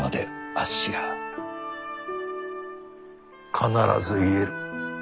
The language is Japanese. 必ず癒える。